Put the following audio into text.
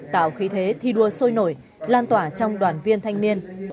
tạo khí thế thi đua sôi nổi lan tỏa trong đoàn viên thanh niên